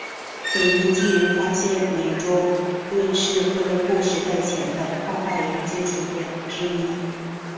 腓尼基人发现美洲论是哥伦布时代前的跨大洋接触的之一。